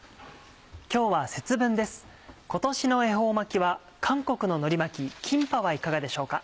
今日は節分です今年の恵方巻きは韓国ののり巻き「キンパ」はいかがでしょうか？